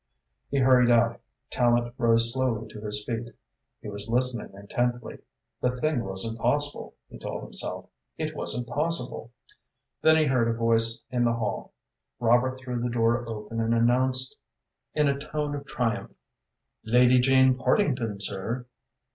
He hurried out. Tallente rose slowly to his feet. He was listening intently. The thing wasn't possible, he told himself. It wasn't possible! Then he heard a voice in the hall. Robert threw the door open and announced in a tone of triumph "Lady Jane Partington, sir."